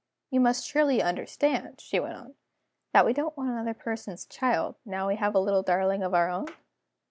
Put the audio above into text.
"You must surely understand," she went on, "that we don't want another person's child, now we have a little darling of our own?"